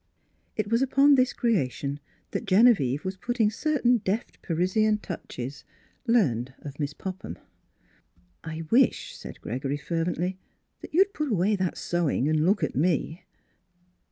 It was upon this creation that Gene vieve was putting certain deft Parisian touches learned of Miss Popham. " I wish," said Gregory fervently, " that you'd put away that sewing and look at me."